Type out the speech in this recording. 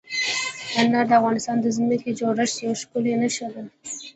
انار د افغانستان د ځمکې د جوړښت یوه ښکاره نښه ده.